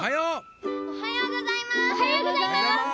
おはよう！おはようございます！